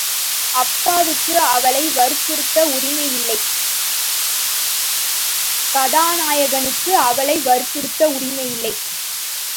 அப்பாவுக்கு அவளை வற்புறுத்த உரிமை இல்லை, கதாநாயகனுக்கு அவளை வற்புறுத்த உரிமை இல்லை.